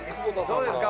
どうですか？